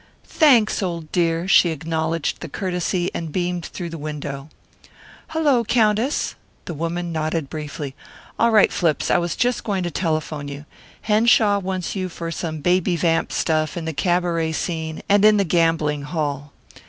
"Thanks, old dear," she acknowledged the courtesy and beamed through the window. "Hullo, Countess!" The woman nodded briefly. "All right, Flips; I was just going to telephone you. Henshaw wants you for some baby vamp stuff in the cabaret scene and in the gambling hell.